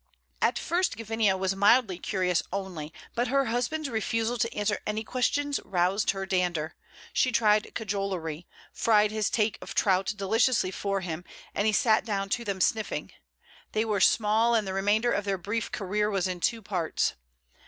At first Gavinia was mildly curious only, but her husband's refusal to answer any questions roused her dander. She tried cajolery, fried his take of trout deliciously for him, and he sat down to them sniffing. They were small, and the remainder of their brief career was in two parts.